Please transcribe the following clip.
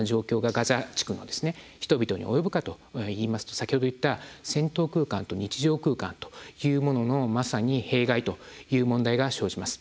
ガザ地区の人々に及ぶかといいますと先ほど言った、戦闘空間と日常空間というもののまさに弊害という問題が生じます。